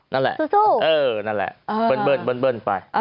นั่นแหละเบิ้ลไป